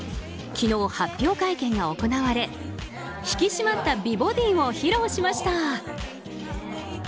昨日、発表会見が行われ引き締まった美ボディを披露しました。